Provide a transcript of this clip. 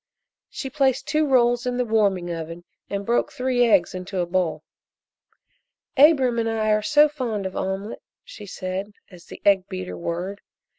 She placed two rolls in the warming oven and broke three eggs into a bowl. "Abram and I are so fond of omelette," she said, as the egg beater whirred.